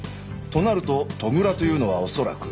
となると戸倉というのは恐らく。